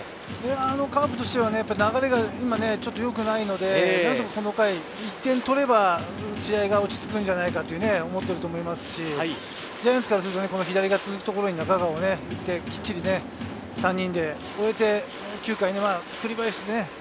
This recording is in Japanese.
カープとしては流れが良くないので、この回１点取れば試合が落ち着くんじゃないかと思っていると思いますし、ジャイアンツからすると、左が続くところに中川がきっちり３人で終えて、９回には栗林。